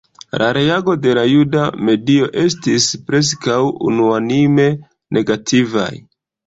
La reagoj de la juda medio estis preskaŭ unuanime negativaj.